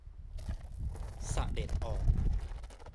เสด็จออก